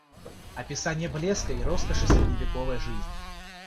Описание блеска и роскоши средневековой жизни